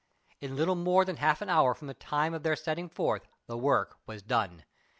In little more than half an hour from the time of their setting forth the work was done.